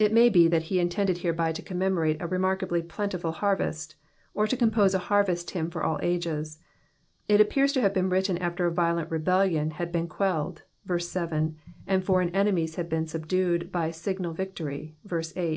It may be that he intended hereby to commemMoie a remarkably plentiful harvest, or to compose a harvest hymn for all ages. B appears to have been written after a violent rebellion had been quelled, verse 1, and foreign enemies had been subdued by signal victory, verse 8.